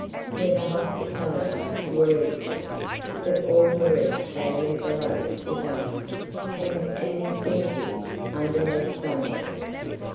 Here the hospitalities were equal, but all the rest sadly below The Gums, and an infinity underneath Dunmore.